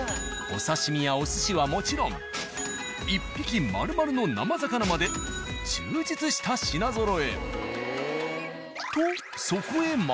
お刺身やお寿司はもちろん１匹まるまるの生魚まで充実した品ぞろえ。